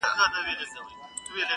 • د وګړو آوازونه لوړېدله -